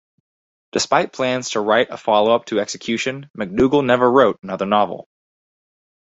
Despite plans to write a followup to "Execution", McDougall never wrote another novel.